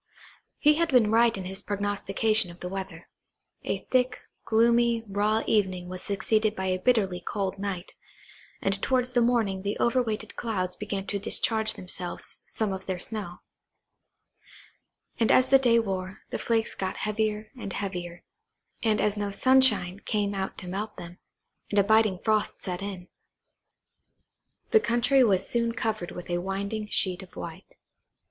He had been right in his prognostication of the weather. A thick, gloomy, raw evening was succeeded by a bitterly cold night, and towards the morning the over weighted clouds began to discharge themselves of some of their snow; and as the day wore, the flakes got heavier and heavier; and as no sunshine came out to melt them, and a biting frost set in, the country was soon covered with a winding sheet of white.